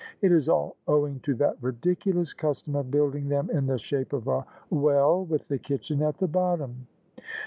It is all owing to that ridiculous custom of building them in the shape of a well with the kitchen at the bottom."